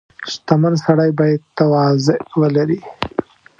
• شتمن سړی باید تواضع ولري.